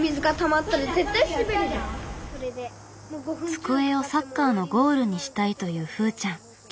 机をサッカーのゴールにしたいというふーちゃん。